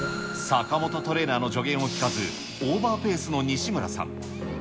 坂本トレーナーの助言を聞かず、オーバーペースの西村さん。